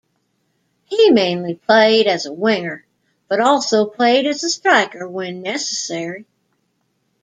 He mainly played as a winger, but also played as a striker when necessary.